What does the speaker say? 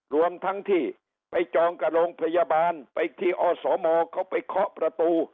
รวมทั้งที่ไปจองกับโรงพยาบาลไปที่อสมเขาไปเคาะประตู